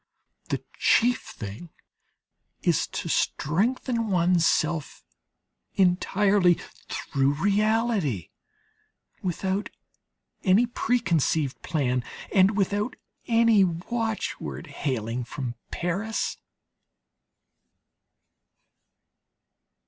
The chief thing is to strengthen one's self entirely through reality, without any pre conceived plan and without any watchword hailing from Paris.